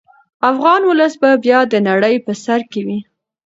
افغان ولس به بیا د نړۍ په سر کې وي.